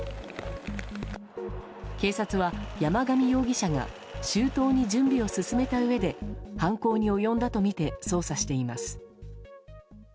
警察は山上容疑者が周到に準備を進めたうえで犯行に及んだとみて捜査しています。